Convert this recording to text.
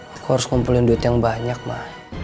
aku harus ngumpulin duit yang banyak mah